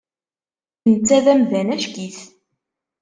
Netta d amdan acek-it.